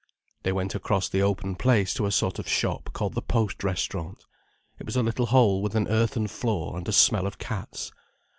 —" They went across the open place to a sort of shop called the Post Restaurant. It was a little hole with an earthen floor and a smell of cats.